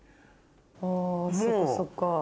あぁそっかそっか。